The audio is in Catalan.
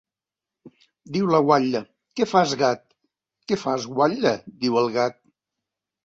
Diu la guatlla: Què fas, gat? Què fas, guatlla?, diu el gat.